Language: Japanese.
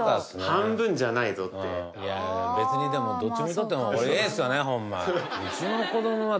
半分じゃないぞって別にでもどっちにとってもええっすよねホンマ